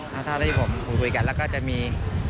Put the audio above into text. เท่าที่ผมคุยกันแล้วก็จะมี